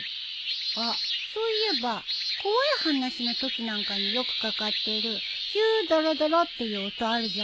あっそういえば怖い話のときなんかによくかかってるヒュードロドロっていう音あるじゃん？